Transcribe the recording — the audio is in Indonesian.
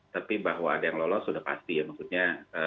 tapi bahwa ada yang lolos sudah pasti ya maksudnya